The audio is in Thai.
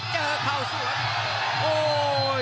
เจอเข่าสวน